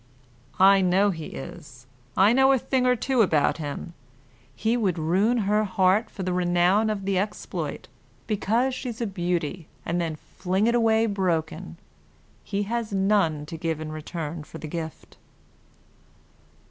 "I know he is; I know a thing or two about him. He would ruin her heart for the renown of the exploit, because she's a beauty, and then fling it away broken. He has none to give in return for the gift."